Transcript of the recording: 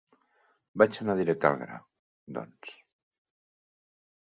Vaig anar directe al gra, doncs.